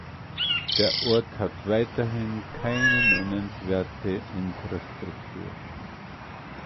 Der Ort hat weiterhin keine nennenswerte Infrastruktur.